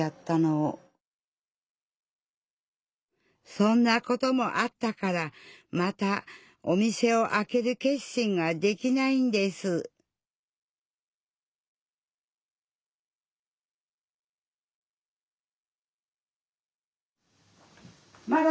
そんなこともあったからまたお店をあける決心ができないんですまろ。